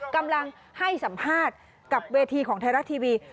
กำลังให้สัมภาษณ์กับเวทีของไทยรัฐทีวี